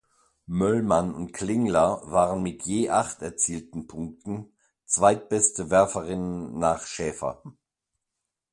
Möllmann und Klingler waren mit je acht erzielten Punkten zweitbeste Werferinnen nach Schäfer.